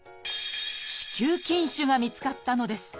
「子宮筋腫」が見つかったのです。